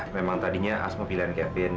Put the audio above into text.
memang tadinya asmo pilihan kevin